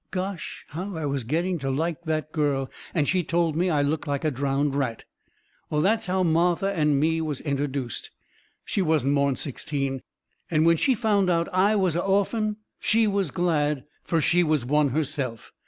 Gosh! how I was getting to like that girl! And she told me I looked like a drowned rat. Well, that was how Martha and me was interduced. She wasn't more'n sixteen, and when she found out I was a orphan she was glad, fur she was one herself.